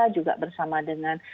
juga bersama dengan